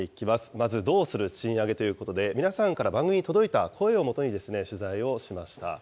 まず、どうする賃上げということで、皆さんから番組に届いた声をもとに取材をしました。